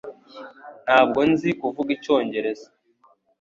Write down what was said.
Ntabwo nzi kuvuga icyongereza.